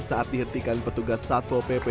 saat dihentikan petugas satpol pp